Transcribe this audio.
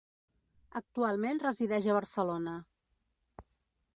Actualment resideix a Barcelona.